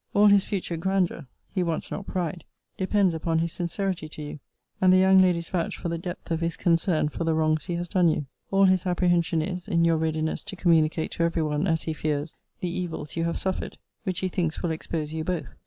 All his future grandeur [he wants not pride] depends upon his sincerity to you; and the young ladies vouch for the depth of his concern for the wrongs he has done you. All his apprehension is, in your readiness to communicate to every one, as he fears, the evils you have suffered; which he thinks will expose you both.